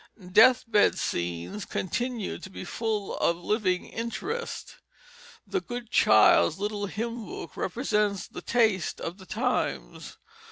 Death bed scenes continued to be full of living interest. The Good Child's Little Hymnbook represents the taste of the times.